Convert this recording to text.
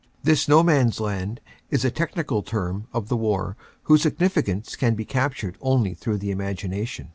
This No Man s Land is a technical term of the war whose 180 CANADA S HUNDRED DAYS significance can be captured only through the imagination.